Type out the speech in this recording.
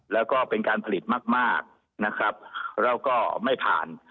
แล้วก็เป็นการผลิตมากมากนะครับแล้วก็ไม่ผ่าน